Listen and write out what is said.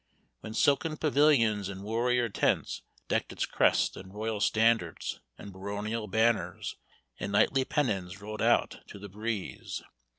When silken pavilions and warrior tents decked its crest, and royal standards, and baronial banners, and knightly pennons rolled out to the breeze.